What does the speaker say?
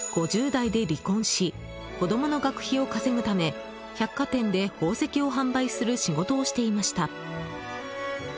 ５０代で離婚し子供の学費を稼ぐため百貨店で宝石を販売する仕事をしていました。